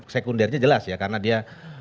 sekundernya jelas ya karena dia